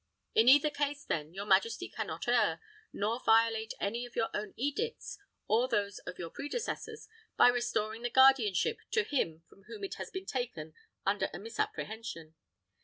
In either case, then, your majesty can not err, nor violate any of your own edicts, or those of your predecessors, by restoring the guardianship to him from whom it has been taken under a misapprehension.